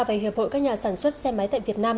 và hiệp hội các nhà sản xuất xe máy tại việt nam